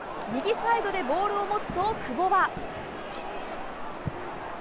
右サイドでボールを持つと久保は。